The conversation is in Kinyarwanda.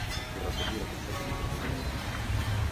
Ushobora kubwira kutazongera guhagarara hano?